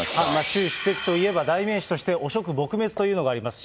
習主席といえば、代名詞として、汚職撲滅というのがあります。